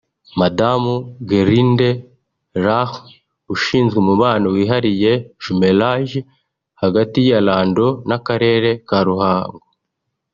Madamu Gerlinde Rahm ushinzwe Umubano wihariye (Jumelage) hagati ya Landau n’Akarere ka Ruhango